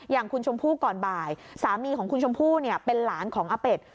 อย่างคุณชมพู่ก่อนบ่ายสามีของคุณชมพู่เป็นหลานของอาเป็ด